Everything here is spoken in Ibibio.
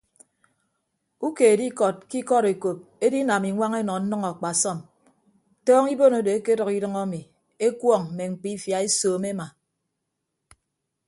Ukeed ikọd ke ikọd ekop edinam iñwañ enọ nnʌñ akpasọm tọọñọ ibon odo ekedʌk idʌñ ami ekuọñ mme mkpiifia esoomo ema.